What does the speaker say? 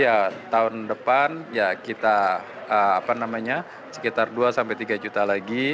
ya tahun depan ya kita apa namanya sekitar dua sampai tiga juta lagi